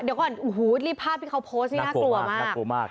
เดี๋ยวก่อนโอ้โหรีบภาพที่เขาโพสต์นี่น่ากลัวมากน่ากลัวมาก